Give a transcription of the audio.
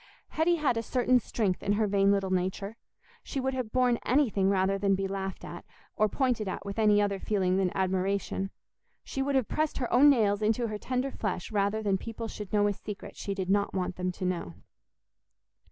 Hetty had a certain strength in her vain little nature: she would have borne anything rather than be laughed at, or pointed at with any other feeling than admiration; she would have pressed her own nails into her tender flesh rather than people should know a secret she did not want them to know.